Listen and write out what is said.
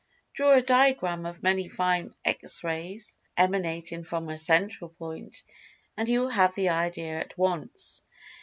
Draw a diagram of many fine rays emanating from a central point, and[Pg 192] you will have the idea at once.